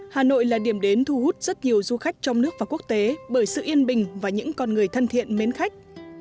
hà nội là điểm đến thu hút rất nhiều du khách trong nước và quốc tế bởi sự yên bình và những con người thân thiện mến khách